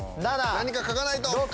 何か書かないと。